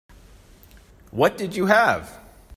What did you have?